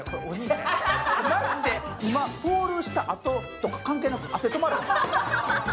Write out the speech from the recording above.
今、ポールしたあととか関係なく、汗止まらない。